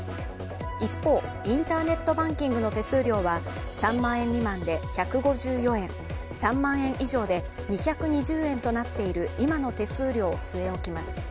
一方、インターネットバンキングの手数料は３万円未満で１５４円、３万円以上で２２０円となっている今の手数料を据え置きます。